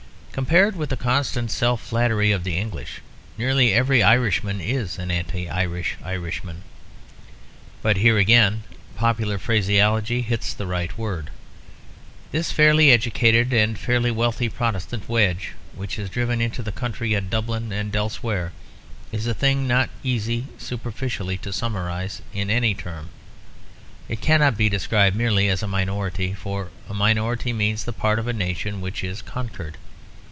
Compared with the constant self flattery of the English, nearly every Irishman is an anti Irish Irishman. But here again popular phraseology hits the right word. This fairly educated and fairly wealthy Protestant wedge which is driven into the country at Dublin and elsewhere is a thing not easy superficially to summarise in any term. It cannot be described merely as a minority; for a minority means the part of a nation which is conquered.